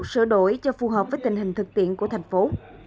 sửa đổi cho phù hợp với tình hình thực tiện của thành phố